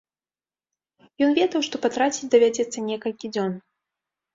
Ён ведаў, што патраціць давядзецца некалькі дзён.